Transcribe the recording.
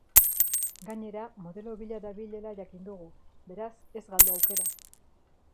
Gainera, modelo bila dabilela jakin dugu, beraz, ez galdu aukera.